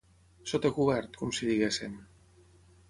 Sota cobert, com si diguéssim.